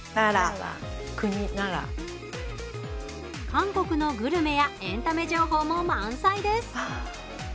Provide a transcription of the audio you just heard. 韓国のグルメやエンタメ情報も満載です。